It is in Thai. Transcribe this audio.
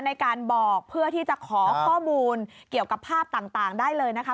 ในการบอกเพื่อที่จะขอข้อมูลเกี่ยวกับภาพต่างได้เลยนะคะ